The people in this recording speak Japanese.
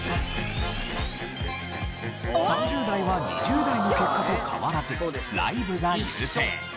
３０代は２０代の結果と変わらずライブが優勢。